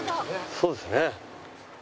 そうですね。